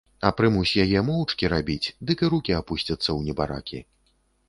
А прымусь яе моўчкі рабіць, дык і рукі апусцяцца ў небаракі.